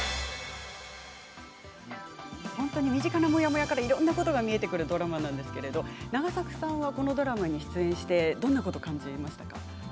本当に身近なモヤモヤからいろんなことが見えてくるドラマですが永作さんはこのドラマに出演してどんなことを感じましたか。